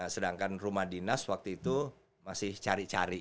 sedangkan rumah dinas waktu itu masih cari cari